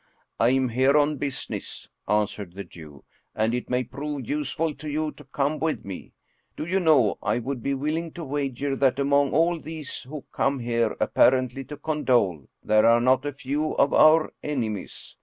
" I am here on business," answered the Jew, " and it may prove useful to you to come with me. Do you know, I would be willing to wager that among all these who come here apparently to condole, there are not a few of our enemies.